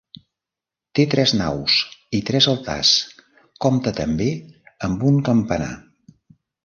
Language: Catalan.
Té tres naus i tres altars, compta també amb un campanar.